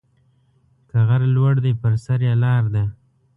که غر لوړ دى، په سر يې لار ده.